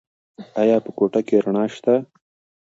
ایا په کوټه کې رڼا شته؟